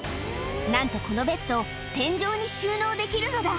なんと、このベッド、天井に収納できるのだ。